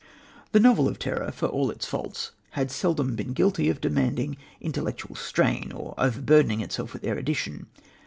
The novel of terror, with all its faults, had seldom been guilty of demanding intellectual strain or of overburdening itself with erudition.